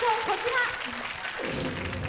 こちら。